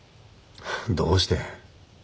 どうして？